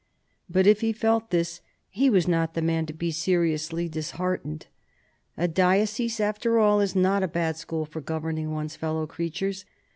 But if he felt this, he was not the man to be seriously disheartened. A diocese, after all, is not a bad school for governing one's fellow creatures.